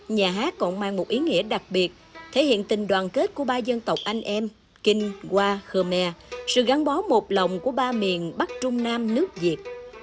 nhà hát còn mang một ý nghĩa đặc biệt thể hiện tình đoàn kết của ba dân tộc anh em kinh hoa khmer sự gắn bó một lòng của ba miền bắc trung nam nước việt